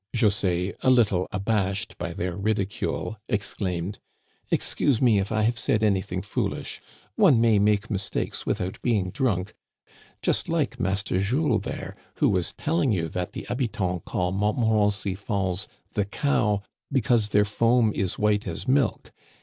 José, a little abashed by their ridicule, exclaimed :Excuse me if I have said anything foolish. One may make mistakes without being drunk, just like Mas ter Jules there, who was telling you that the habitants call Montmorency Falls ' The Cow ' because their foam is white as milk.